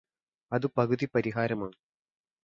അത് പകുതി പരിഹാരമാണ്